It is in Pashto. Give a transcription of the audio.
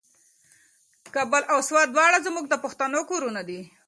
کابل او سوات دواړه زموږ د پښتنو کورونه دي.